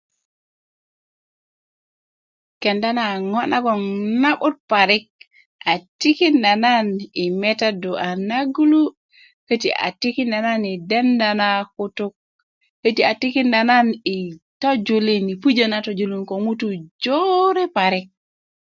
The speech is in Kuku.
Kenda na ŋo na'but parik a tikinda nan i metadu a na gulu köti a tikinda nan i denda na kutuk köti a tikinda nan i tojulin i pujö na tojulin ko ŋutu jore parik